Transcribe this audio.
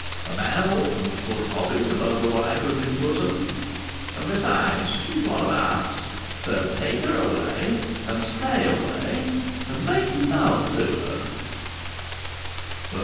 A man oughtn't to put hobbies above the wife of his bosom. And, besides, she's one of us. So take her away and stay away and make love to her."